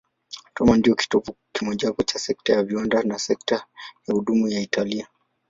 Roma ndiyo kitovu kimojawapo cha sekta ya viwanda na sekta ya huduma ya Italia.